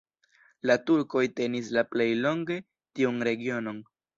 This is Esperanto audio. La turkoj tenis la plej longe tiun regionon.